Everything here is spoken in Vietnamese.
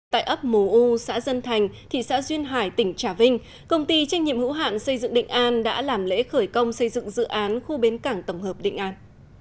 tại ấp mồ u xã dân thành thị xã duyên hải tỉnh trà vinh công ty trách nhiệm hữu hạn xây dựng định an đã làm lễ khởi công xây dựng dự án khu bến cảng tổng hợp định an